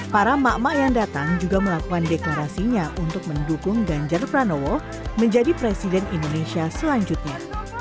para emak emak yang datang juga melakukan deklarasinya untuk mendukung ganjar pranowo menjadi presiden indonesia selanjutnya